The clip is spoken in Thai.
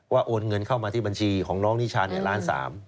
โอนเงินเข้ามาที่บัญชีของน้องนิชาล้าน๓